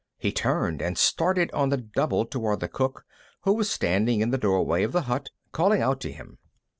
He turned and started on the double toward the cook, who was standing in the doorway of the hut, calling out to him.